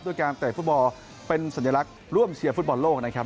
การเตะฟุตบอลเป็นสัญลักษณ์ร่วมเชียร์ฟุตบอลโลกนะครับ